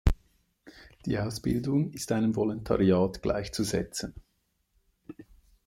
Die Ausbildung ist einem Volontariat gleichzusetzen.